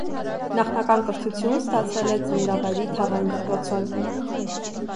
Նախնական կրթությունն ստացել է ծննդավայրի թաղային դպրոցում։